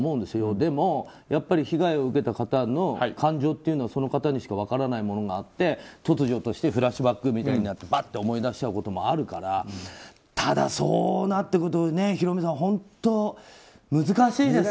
でも、被害を受けた方の感情というのはその方にしか分からないものがあって突如としてフラッシュバックになって思い出すこともあるからただ、そうなってくるとヒロミさん、本当難しいですね。